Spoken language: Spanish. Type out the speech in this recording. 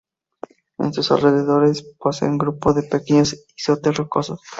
En sus alrededores posee un grupo de pequeños islotes rocosos.